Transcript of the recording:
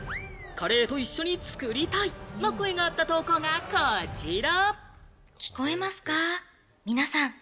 カレーと一緒に作りたい！の声があった投稿がこちら。